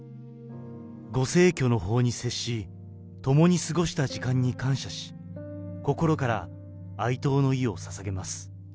ご逝去の報に接し、共に過ごした時間に感謝し、心から哀悼の意をささげます。